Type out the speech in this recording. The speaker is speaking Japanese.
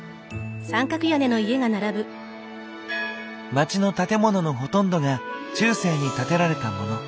街の建物のほとんどが中世に建てられたモノ。